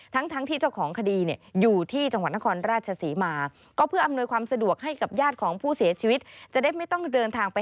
ทั้งที่เจ้าของคดีอยู่ที่